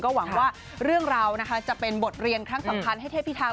ก็หวังว่าเรื่องเรานะคะจะเป็นบทเลียนข้างสำคัญให้เทพที่ทั้ง